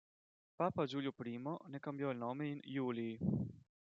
Papa Giulio I ne cambiò il nome in "Iulii".